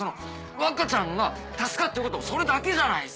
若ちゃんが助かってよかったそれだけじゃないっすか！